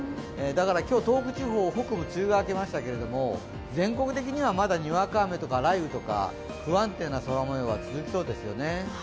今日、東北地方北部梅雨が明けましたけれども、全国的にはまだにわか雨とか雷雨とか不安定な空もようが続きそうですよね。